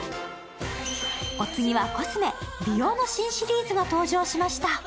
お次はコスメ、美容の新シリーズが登場しました。